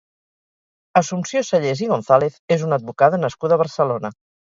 Assumpció Sallés i González és una advocada nascuda a Barcelona.